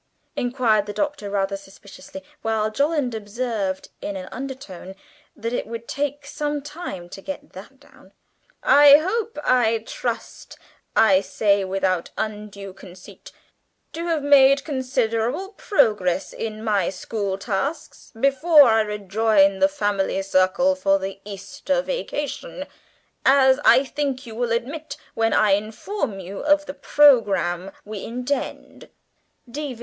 '" inquired the Doctor rather suspiciously, while Jolland observed in an undertone that it would take some time to get that down.) "I hope, I trust I may say without undue conceit, to have made considerable progress in my school tasks before I rejoin the family circle for the Easter vacation, as I think you will admit when I inform you of the programme we intend" ('D.V.